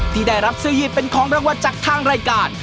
ที่ได้รับเสื้อยืดเป็นของรางวัลจากทางรายการ